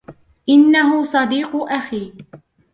إنهُ صديق أخي.